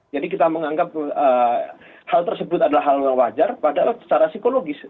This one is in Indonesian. jadi kita menganggap hal tersebut adalah hal yang wajar padahal secara psikologis